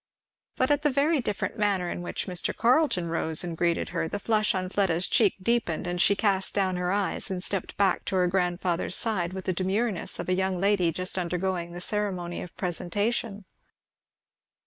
But at the very different manner in which Mr. Carleton rose and greeted her, the flush on Fleda's cheek deepened, and she cast down her eyes and stepped back to her grandfather's side with the demureness of a young lady just undergoing the ceremony of presentation.